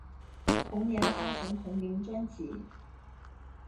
同年发行同名专辑。